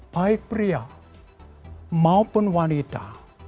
baik pria maupun wanita